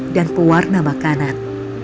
dan pewarna makanan